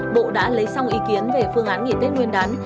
bộ đã lấy xong ý kiến về phương án nghỉ tết nguyên đán